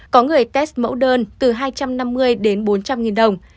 có người test mẫu đơn từ hai trăm năm mươi đến bốn trăm linh nghìn đồng